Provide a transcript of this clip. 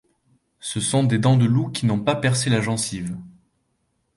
Ce sont des dents de loup qui n'ont pas percé la gencive.